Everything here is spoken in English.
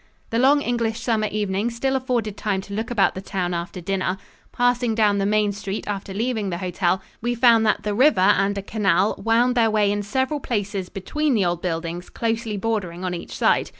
The long English summer evening still afforded time to look about the town after dinner. Passing down the main street after leaving the hotel, we found that the river and a canal wound their way in several places between the old buildings closely bordering on each side.